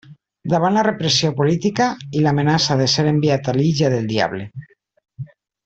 Davant la repressió política, i l'amenaça de ser enviat a l'illa del Diable.